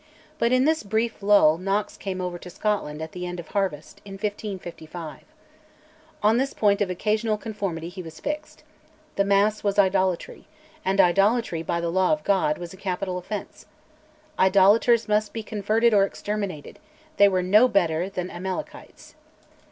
But in this brief lull Knox came over to Scotland at the end of harvest, in 1555. On this point of occasional conformity he was fixed. The Mass was idolatry, and idolatry, by the law of God, was a capital offence. Idolaters must be converted or exterminated; they were no better than Amalekites.